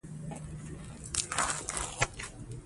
پښتو د میړانې، صبر او استقامت نښه ګڼل کېږي.